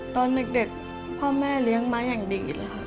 ตอนเด็กพ่อและแม่เลี้ยงม้าอย่างดี